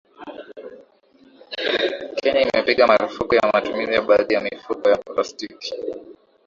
Kenya imepiga marufuku ya matumizi ya baadhi ya mifuko ya plastiki